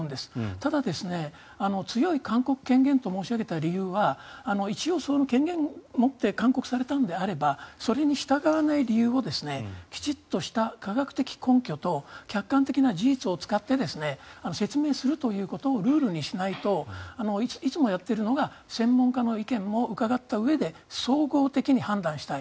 ただ、強い勧告権限と申し上げた理由は一応、その権限を持って勧告されたのであればそれに従わない理由をきちんとした科学的根拠と客観的な事実を使って説明するということをルールにしないといつもやっているのが専門家の意見も伺ったうえで総合的に判断したい。